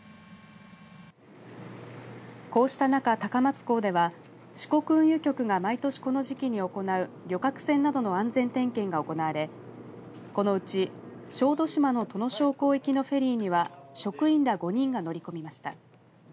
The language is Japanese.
こうした中、高松港では四国運輸局が毎年この時期に行う旅客船などの安全点検が行われこのうち小豆島の土庄港行きのフェリーには職員ら５人が乗り込みました。